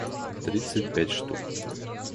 тридцать пять штук